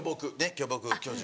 巨木巨樹。